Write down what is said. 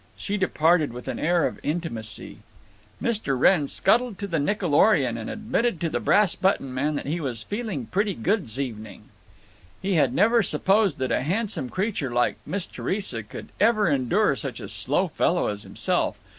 She departed with an air of intimacy. Mr. Wrenn scuttled to the Nickelorion, and admitted to the Brass button Man that he was "feeling pretty good 's evening." He had never supposed that a handsome creature like Miss Theresa could ever endure such a "slow fellow" as himself.